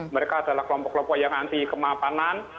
mereka adalah kelompok kelompok yang anti kemapanan